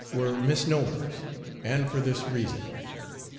were misnomers, and for this reason.